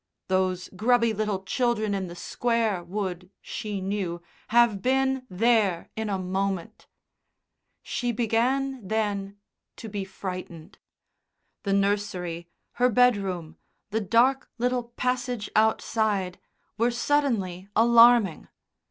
Those grubby little children in the Square would, she knew, have been "there" in a moment. She began then to be frightened. The nursery, her bedroom, the dark little passage outside, were suddenly alarming.